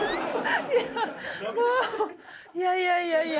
もう、いやいやいやいや。